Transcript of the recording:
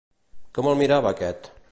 Com el mirava aquest?